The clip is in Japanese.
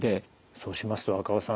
そうしますと若尾さん